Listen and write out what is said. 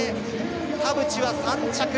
田渕は３着。